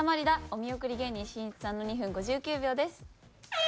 お見送り芸人しんいちさんの２分５９秒です。